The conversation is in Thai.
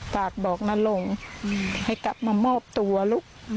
ฝากบอกนรงให้กลับมามอบตัวลูก